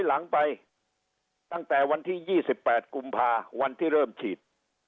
หลังไปตั้งแต่วันที่ยี่สิบแปดกุมพาวันที่เริ่มฉีด